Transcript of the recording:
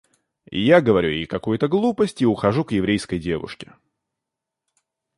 Я говорю ей какую-то глупость и ухожу к еврейской девушке.